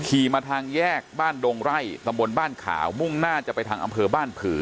มาทางแยกบ้านดงไร่ตำบลบ้านขาวมุ่งหน้าจะไปทางอำเภอบ้านผือ